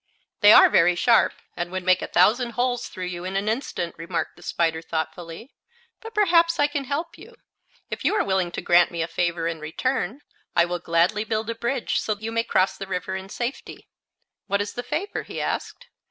"They are very sharp, and would make a thousand holes through you in an instant," remarked the spider, thoughtfully. "But perhaps I can help you. If you are willing to grant me a favor in return, I will gladly build a bridge, so you may cross the river in safety." "What is the favor?" he asked.